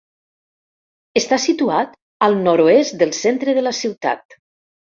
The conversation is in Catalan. Està situat al nord-oest del centre de la ciutat.